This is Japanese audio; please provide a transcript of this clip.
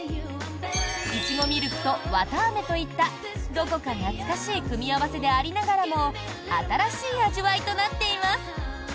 イチゴミルクと綿あめといったどこか懐かしい組み合わせでありながらも新しい味わいとなっています。